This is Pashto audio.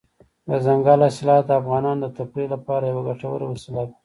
دځنګل حاصلات د افغانانو د تفریح لپاره یوه ګټوره وسیله ده.